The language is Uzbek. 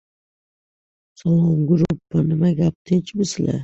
Jizzaxda Qozon Federal universiteti filiali ochildi